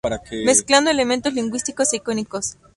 Mezclando elementos lingüísticos e icónicos.